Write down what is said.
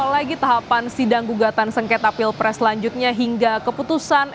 lagi tahapan sidang gugatan sengketa pilpres selanjutnya hingga keputusan